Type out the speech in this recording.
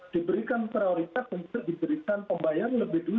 diberikan prioritas dan juga diberikan pembayaran lebih dulu